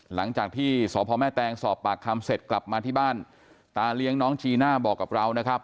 หลังจากที่สพแม่แตงสอบปากคำเสร็จกลับมาที่บ้านตาเลี้ยงน้องจีน่าบอกกับเรานะครับ